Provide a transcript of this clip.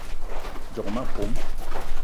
Djock ma pom